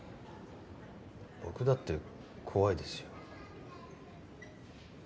僕だって怖いですよ。